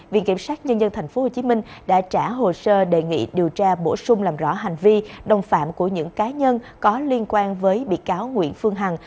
viện kiểm sát nhân dân tp hcm đã trả hồ sơ đề nghị điều tra bổ sung làm rõ hành vi đồng phạm của những cá nhân có liên quan với bị cáo nguyễn phương hằng